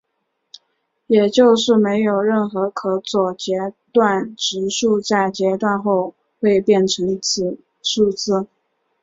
也就是没有任何可左截短质数在截短后会变成此数字。